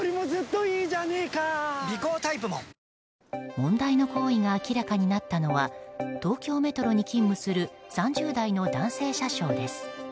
問題の行為が明らかになったのは東京メトロに勤務する３０代の男性車掌です。